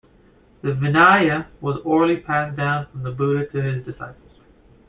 The Vinaya was orally passed down from the Buddha to his disciples.